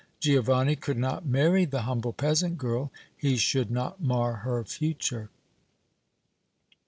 Giovanni could not marry the humble peasant girl; he should not mar her future.